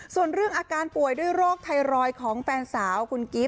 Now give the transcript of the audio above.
ส่วนเรื่องอาการป่วยด้วยโรคไทรอยด์ของแฟนสาวคุณกิฟต